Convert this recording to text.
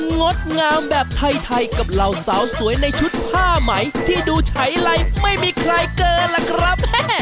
งดงามแบบไทยกับเหล่าสาวสวยในชุดผ้าไหมที่ดูฉายไลไม่มีใครเกินล่ะครับ